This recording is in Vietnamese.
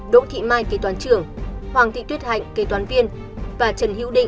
đỗ thị mai kế toán trưởng hoàng thị tuyết hạnh kế toán viên và trần hữu định